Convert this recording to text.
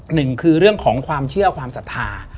หนึ่งคือเรื่องของความเชื่อความศรัทธา